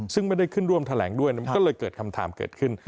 ซึ่งไม่ได้ขึ้นร่วมแถลงด้วยมันก็เลยเกิดคำถามเกิดขึ้น